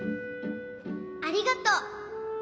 ありがとう。